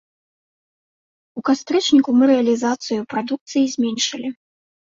У кастрычніку мы рэалізацыю прадукцыі зменшылі.